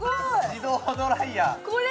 自動ドライヤーこれ！